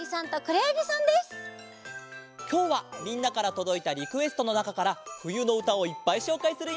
きょうはみんなからとどいたリクエストのなかからふゆのうたをいっぱいしょうかいするよ！